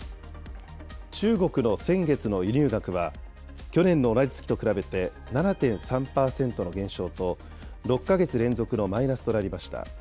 中国の先月の輸入額は、去年の同じ月と比べて７．３％の減少と、６か月連続のマイナスとなりました。